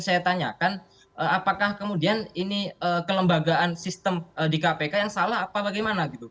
saya tanyakan apakah kemudian ini kelembagaan sistem di kpk yang salah apa bagaimana gitu